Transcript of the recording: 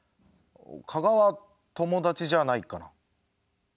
加賀は友達じゃないかな。